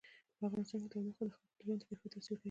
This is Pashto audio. په افغانستان کې تودوخه د خلکو د ژوند په کیفیت تاثیر کوي.